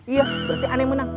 iya berarti aneh menang